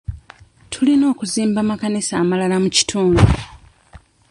Tulina okuzimba amakanisa amalala mu kitundu.